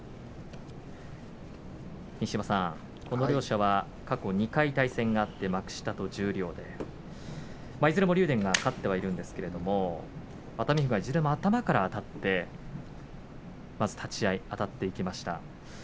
西岩さんこの両者は過去２回対戦があって幕下と十両で、いずれも竜電が勝ってはいるんですけれども熱海富士はいずれも頭からあたっていきました。